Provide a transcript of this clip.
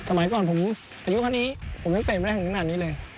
สมัยก่อนผมอายุเท่านี้ผมยังเตะไม่ได้ถึงขนาดนี้เลย